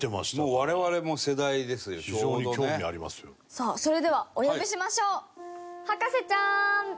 さあそれではお呼びしましょう。